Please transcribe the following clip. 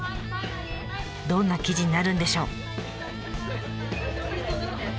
どんな記事になるんでしょう？